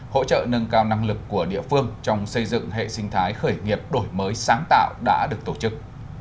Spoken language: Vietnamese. hỗ trợ nâng cao năng lực của địa phương trong xây dựng hệ sinh thái khởi nghiệp đổi mới sáng tạo đã được tổ chức